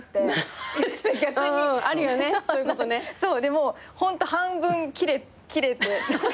もうホント半分キレて。